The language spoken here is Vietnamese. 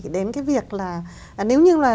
đến cái việc là nếu như là